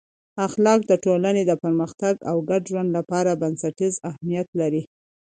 اخلاق د ټولنې د پرمختګ او ګډ ژوند لپاره بنسټیز اهمیت لري.